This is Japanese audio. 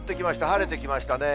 晴れてきましたね。